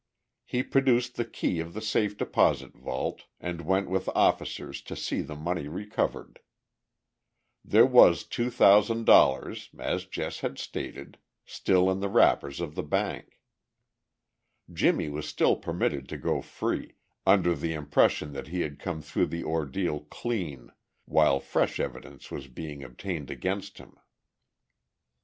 He produced the key of the safe deposit vault, and went with officers to see the money recovered. There was $2,000, as Jess had stated, still in the wrappers of the bank. Jimmie was still permitted to go free, under the impression that he had come through the ordeal "clean," while fresh evidence was being obtained against him.